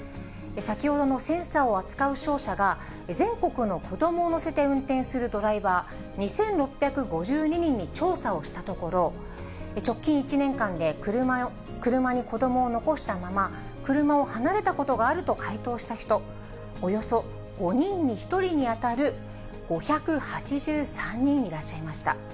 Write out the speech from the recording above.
先ほどのセンサーを扱う商社が全国の子どもを乗せて運転するドライバー２６５２人に調査をしたところ、直近１年間で、車に子どもを残したまま車を離れたことがあると回答した人、およそ５人に１人に当たる５８３人いらっしゃいました。